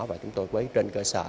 và chúng tôi với trên cơ sở